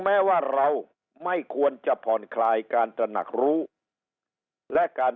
แม้ว่าเราไม่ควรจะผ่อนคลายการตระหนักรู้และการ